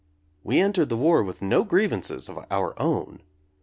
We entered the war with no grievances of our own.